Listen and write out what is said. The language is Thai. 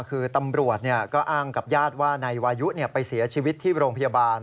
คือตำรวจก็อ้างกับญาติว่านายวายุไปเสียชีวิตที่โรงพยาบาล